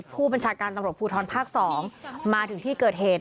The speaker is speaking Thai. ผู้บัญชาการตำรวจภูทรภาค๒มาถึงที่เกิดเหตุ